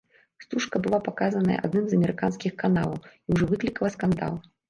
Стужка была паказаная адным з амерыканскіх каналаў і ўжо выклікала скандал.